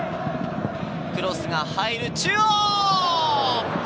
クロスが入る、中央！